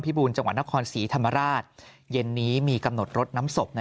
บูรณ์จังหวัดนครศรีธรรมราชเย็นนี้มีกำหนดรดน้ำศพ